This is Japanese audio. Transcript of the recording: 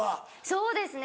そうですね